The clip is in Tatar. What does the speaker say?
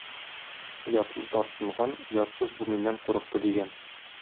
Оятлы тартынган, оятсыз "бу миннән курыкты" дигән.